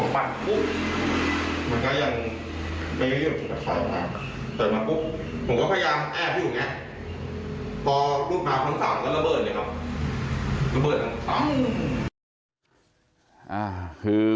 ปัดปุ๊บมันก็ยังไม่ได้ยิงที่ประชัยตื่นมาปุ๊บมันก็พยายามแอบอยู่ตอนรูปราวทั้ง๓มันก็ระเบิด